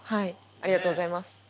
ありがとうございます。